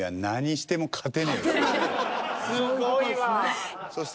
すごいわ。